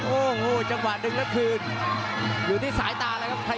โอ้โหจังหวะดึงแล้วคืนอยู่ที่สายตาเลยครับ